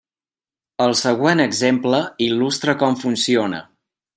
El següent exemple il·lustra com funciona.